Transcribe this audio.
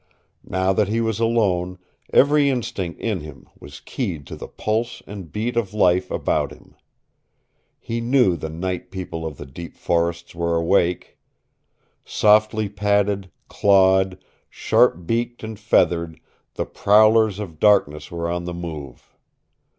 Now that he was alone every instinct in him was keyed to the pulse and beat of life about him. He knew the Night People of the deep forests were awake. Softly padded, clawed, sharp beaked and feathered the prowlers of darkness were on the move.